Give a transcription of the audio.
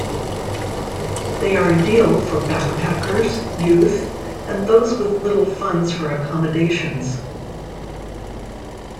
They are ideal for backpackers, youth, and those with little funds for accommodations.